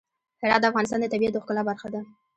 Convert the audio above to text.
هرات د افغانستان د طبیعت د ښکلا برخه ده.